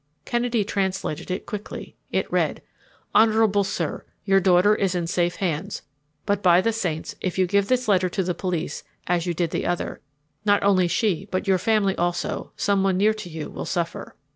Kennedy translated it quickly. It read: Honourable sir: Your daughter is in safe hands. But, by the saints, if you give this letter to the police as you did the other, not only she but your family also, someone near to you, will suffer.